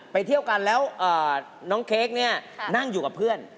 เที่ยวกันแล้วน้องเค้กเนี่ยนั่งอยู่กับเพื่อน